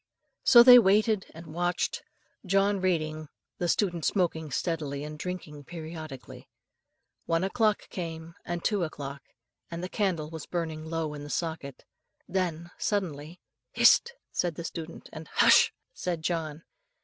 So they waited and watched, John reading, the student smoking steadily and drinking periodically. One o'clock came, and two o'clock, and the candle was burning low in the socket, when suddenly, "Hist!" said the student, and "Hush!" said John.